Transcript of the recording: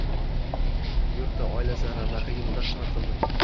Yurti, oilasi ravnaqi yoʻlida xizmat qildi